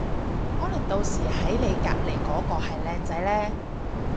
可能到時喺你隔離嗰個係靚仔呢